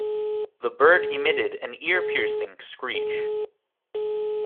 The bird emitted an ear-piercing screech.